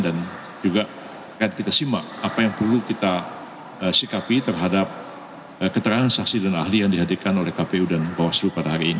dan juga akan kita simak apa yang perlu kita sikapi terhadap keterangan saksi dan ahli yang dihadirkan oleh kpu dan bawaslu pada hari ini